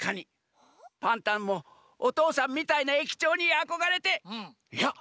パンタンもおとうさんみたいなえきちょうにあこがれていや！